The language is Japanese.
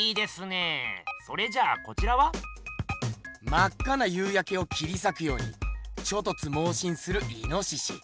まっかな夕やけを切りさくようにちょとつもうしんするいのしし。